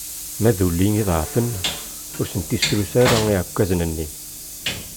Ma d ulli iḍeɛfen, ur sent-isrusu ara iɛekkzan-nni.